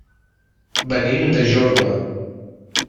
Venim de Jorba.